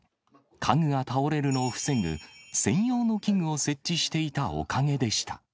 家具が倒れるのを防ぐ専用の器具を設置していたおかげでした。